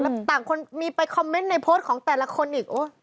แล้วต่างคนมีไปคอมเมนต์ในโพสต์ของแต่ละคนอีก